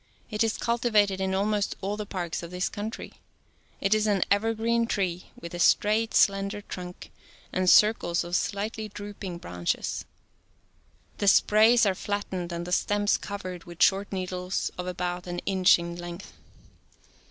It is cultivated in ^^^C almost all the parks of this country. It is *'spb''u''c"" an evergreen tree, with a straight, slender ■"• ^1™'™"^ trunk and circles of slightly drooping '• sc*lb(bot« branches. The sprays are flattened and the stems covered with short needles of about an inch in length.